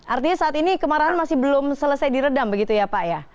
artinya saat ini kemarahan masih belum selesai diredam begitu ya pak ya